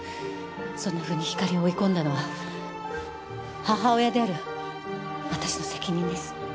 そんなふうにひかりを追い込んだのは母親である私の責任です。